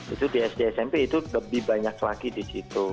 itu di sd smp itu lebih banyak lagi di situ